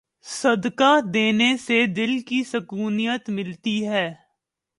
صدقہ دینے سے دل کی سکونیت ملتی ہے۔